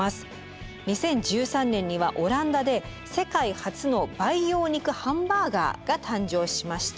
２０１３年にはオランダで世界初の培養肉ハンバーガーが誕生しました。